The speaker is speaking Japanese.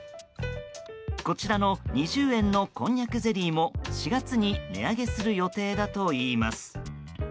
こちらの２０円のこんにゃくゼリーも４月に値上げする予定だといいます。